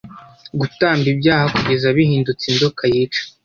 gutamba ibyaha Kugeza bihindutse Inzoka Yica